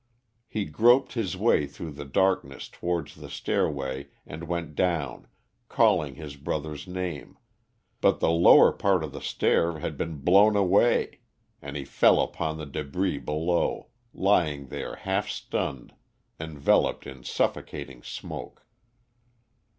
He groped his way through the darkness towards the stairway and went down, calling his brother's name; but the lower part of the stair had been blown away, and he fell upon the débris below, lying there half stunned, enveloped in suffocating smoke.